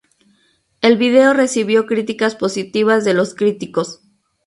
El video recibió críticas positivas de los críticos.